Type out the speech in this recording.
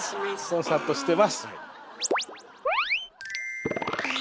コンサートしてます。